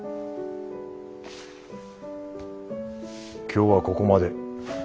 今日はここまで。